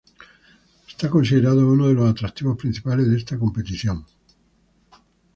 Fue considerado uno de los atractivos principales de esta competición.